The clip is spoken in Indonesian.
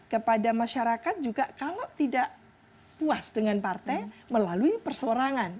kepada masyarakat juga kalau tidak puas dengan partai melalui persorangan